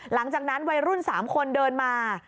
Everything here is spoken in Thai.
หลังจากนั้นวัยรุ่น๓คนเดินมา